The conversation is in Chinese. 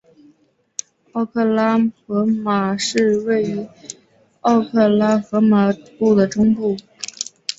奥克拉荷马市位于奥克拉荷马州的中部。